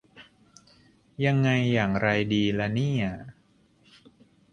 ยังไงอย่างไรดีละเนี่ย